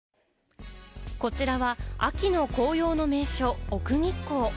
こちらは秋の紅葉の名所・奥日光。